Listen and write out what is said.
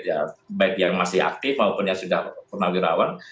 ya baik yang masih aktif maupun yang sudah purnawirawan